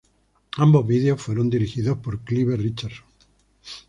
Ambos videos fueron dirigidos por Clive Richardson.